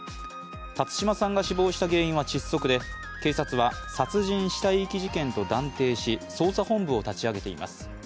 辰島さんが死亡した原因は窒息で、警察は殺人・死体遺棄事件と断定し捜査本部を立ち上げています。